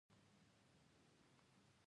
افغانستان تل د تاریخي بدلونونو مرکز و.